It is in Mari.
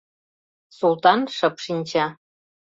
Султан шып шинча.